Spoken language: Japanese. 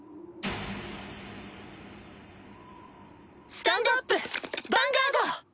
スタンドアップヴァンガード！